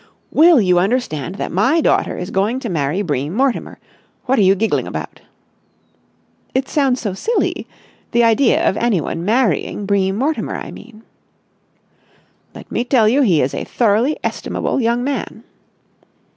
"Will you understand that my daughter is going to marry Bream Mortimer? What are you giggling about?" "It sounds so silly. The idea of anyone marrying Bream Mortimer, I mean." "Let me tell you he is a thoroughly estimable young man."